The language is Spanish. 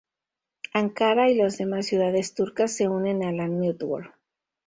Ankara y las demás ciudades turcas se unen a la network.